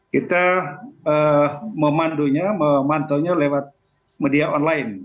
kita memandunya memantaunya lewat media online